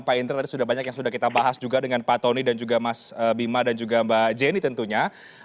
pak indra tadi sudah banyak yang sudah kita bahas juga dengan pak tony dan juga mas bima dan juga mbak jenny tentunya